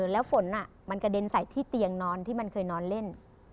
แล้วฝนมันกระเด็นใส่ที่เตียงนอนที่มันเคยนอนเล่น